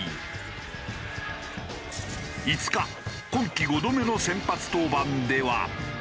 ５日今季５度目の先発登板では。